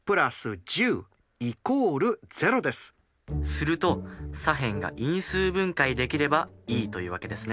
すると左辺が因数分解できればいいというわけですね。